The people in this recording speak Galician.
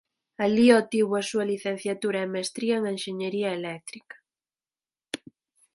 Alí obtivo a súa licenciatura e mestría en enxeñaría eléctrica.